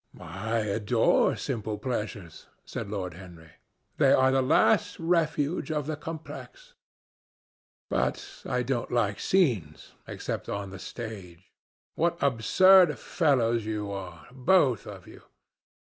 "I adore simple pleasures," said Lord Henry. "They are the last refuge of the complex. But I don't like scenes, except on the stage. What absurd fellows you are, both of you!